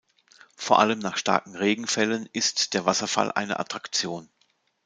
Vor allem nach starken Regenfällen ist der Wasserfall eine Attraktion.